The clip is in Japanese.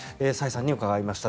崔さんに伺いました。